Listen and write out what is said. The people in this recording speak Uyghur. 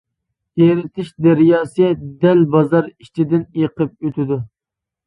ئېرتىش دەرياسى دەل بازار ئىچىدىن ئېقىپ ئۆتىدۇ.